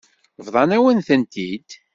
Bḍan-awen-tent-id.